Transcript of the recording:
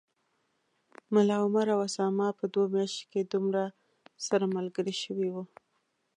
ملا عمر او اسامه په دوو میاشتو کي دومره سره ملګري شوي و